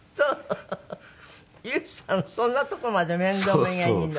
ＹＯＵさんそんなとこまで面倒見がいいの？